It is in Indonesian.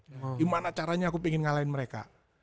gimana caranya aku ingin ngalahin mereka